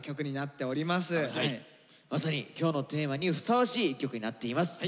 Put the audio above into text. まさに今日のテーマにふさわしい一曲になっています。